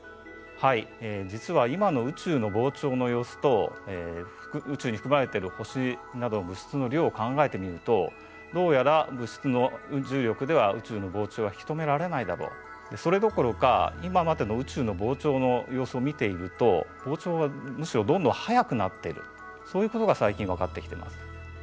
はい実は今の宇宙の膨張の様子と宇宙に含まれてる星などの物質の量を考えてみるとどうやら物質の重力では宇宙の膨張は引き止められないだろうそれどころか今までの宇宙の膨張の様子を見ていると膨張はむしろどんどん速くなっているそういうことが最近分かってきています。